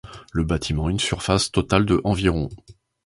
Le bâtiment a une surface totale de environ.